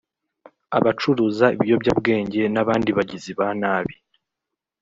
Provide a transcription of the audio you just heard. abacuruza ibiyobyabwenge n’abandi bagizi ba nabi